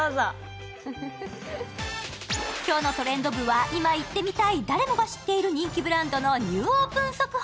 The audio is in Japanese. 今日のトレンド部は今、行ってみたい誰もが知っている人気ブランドのニューオープン速報。